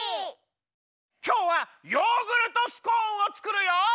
きょうはヨーグルトスコーンをつくるよ！